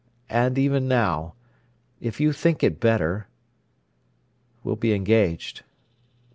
And even now—if you think it better—we'll be engaged."